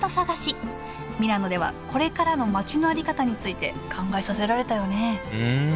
ミラノではこれからの街の在り方について考えさせられたよねうん。